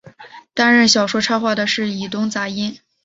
担任小说插画的是伊东杂音。